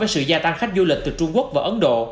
ở sự gia tăng khách du lịch từ trung quốc và ấn độ